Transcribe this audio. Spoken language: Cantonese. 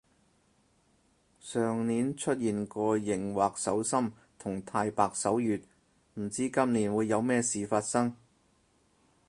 上年出現過熒惑守心同太白守月，唔知今年會有咩事發生